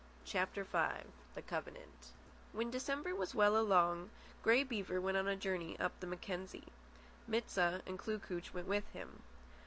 CHAPTER V THE COVENANT When December was well along, Grey Beaver went on a journey up the Mackenzie. Mit sah and Kloo kooch went with him.